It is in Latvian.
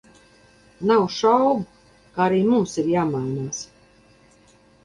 Nav šaubu, ka arī mums ir jāmainās.